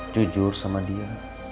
jujur sama dia